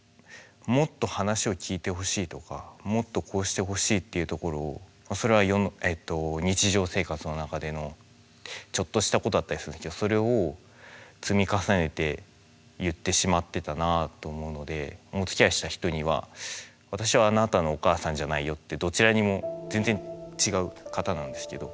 もっと話を聞いてほしいとかもっとこうしてほしいっていうところをそれは日常生活の中でのちょっとしたことだったりするんですけどそれを積み重ねて言ってしまってたなあと思うのでおつきあいした人にはってどちらにも全然違う方なんですけど。